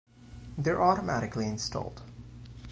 They are automatically installed